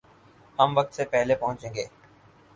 ہم وقت سے پہلے پہنچیں گے